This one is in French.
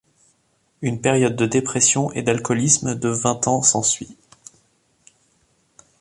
Une période de dépression et d'alcoolisme de vingt ans s'ensuit.